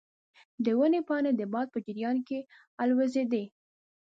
د ونې پاڼې د باد په جریان کې الوزیدې.